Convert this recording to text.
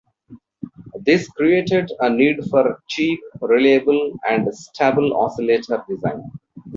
This created a need for a cheap, reliable, and stable oscillator design.